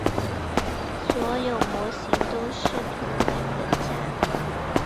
所有模型都是图灵等价的。